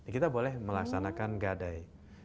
kita boleh melaksanakan gadai